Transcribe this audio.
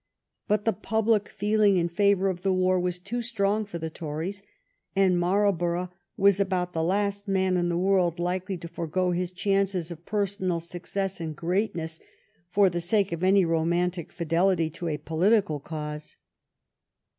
But the public feeling in favor of the war was too strong for the Tories, and Marl borough was about the last man in the world likely to forego his chances of personal success and greatness for the sake of any romantic fidelity to a political cause.